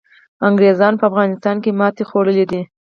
انګریزانو په افغانستان کي ماتي خوړلي ده.